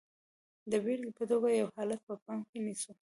د بېلګې په توګه یو حالت په پام کې نیسو.